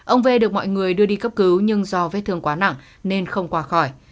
ông v được mọi người đưa đi cấp cứu nhưng do vết thương quá nặng nên không qua khỏi